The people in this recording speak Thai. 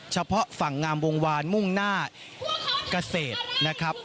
เฉพาะฝั่งงามวงวานมุ่งหน้าเกษตรนะครับ